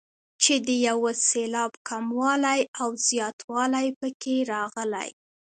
چې د یو سېلاب کموالی او زیاتوالی پکې راغلی.